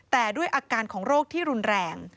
แต่ด้วยอาการของโรคที่รุนแรง